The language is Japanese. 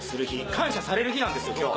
感謝される日なんですよ今日。